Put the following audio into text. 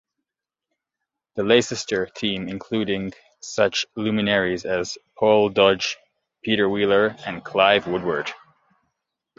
The Leicester team including such luminaries as Paul Dodge, Peter Wheeler and Clive Woodward.